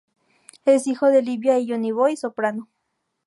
Es hijo de Livia y "Johnny Boy" Soprano.